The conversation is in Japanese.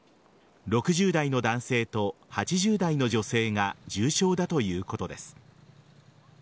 ６０代の男性と８０代の女性が重症だということです。